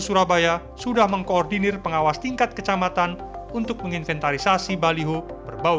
surabaya sudah mengkoordinir pengawas tingkat kecamatan untuk menginventarisasi baliho berbau